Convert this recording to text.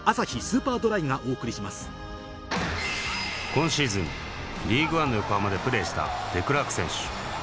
今シーズンリーグワンのしたデクラーク選手